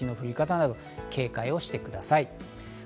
大雪の降り方など警戒してください。